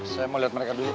saya mau liat mereka dulu